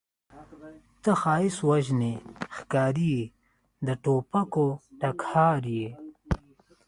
ته ښایست وژنې ښکارې یې د توپکو ټکهار یې